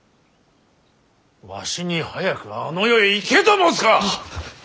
わしに早くあの世へ行けと申すか！